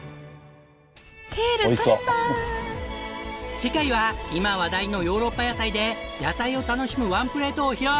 次回は今話題のヨーロッパ野菜で野菜を楽しむワンプレートを披露！